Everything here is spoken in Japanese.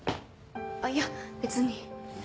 あっいや別に。